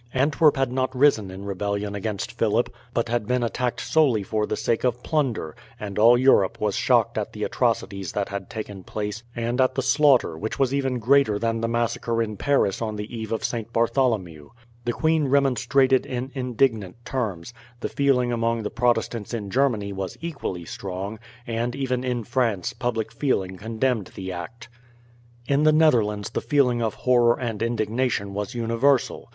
Antwerp had not risen in rebellion against Philip, but had been attacked solely for the sake of plunder; and all Europe was shocked at the atrocities that had taken place, and at the slaughter, which was even greater than the massacre in Paris on the eve of St. Bartholomew. The queen remonstrated in indignant terms, the feeling among the Protestants in Germany was equally strong, and even in France public feeling condemned the act. In the Netherlands the feeling of horror and indignation was universal.